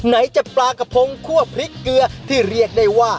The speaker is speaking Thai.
ไหนจะปลากระพงคั่วพริกเกลือที่เรียกได้ว่า